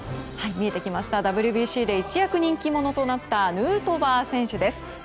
ＷＢＣで一躍人気者となったヌートバー選手です。